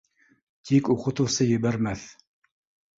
Тик уҡытыусы ебәрмәҫ.